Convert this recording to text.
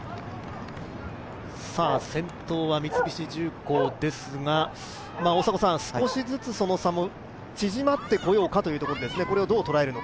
先頭は三菱重工ですが、少しずつその差も縮まってこようかというところですね。